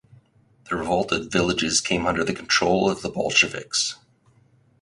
The revolted villages came under the control of the Bolsheviks.